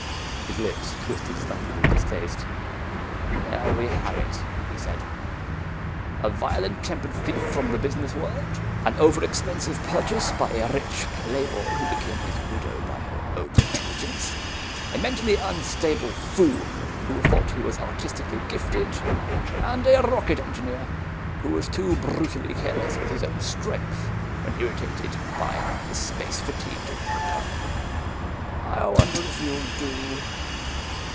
His lips twisted slightly with distaste. "There we have it," he said. "A violent tempered thief from the business world; an over expensive purchase by a rich playboy who became his widow by her own negligence; a mentally unstable fool who thought he was artistically gifted, and a rocket engineer who was too brutally careless with his own strength when irritated by a space fatigued helper. I wonder if you'll do...?"